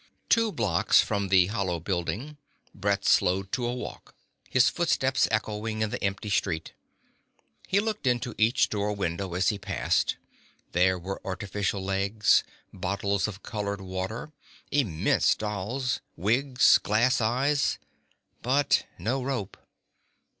Two blocks from the hollow building, Brett slowed to a walk, his footsteps echoing in the empty street. He looked into each store window as he passed. There were artificial legs, bottles of colored water, immense dolls, wigs, glass eyes but no rope.